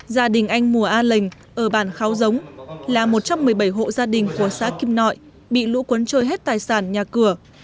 gia đình anh mùa a lệnh ở bàn khao giống là một trong một mươi bảy hộ gia đình của xã kim nội bị lũ cuốn trôi hết tài sản nhà cửa